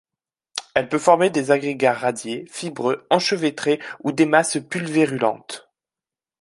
Elle peut former des agrégats radiés, fibreux, enchevêtrés ou des masses pulvérulentes.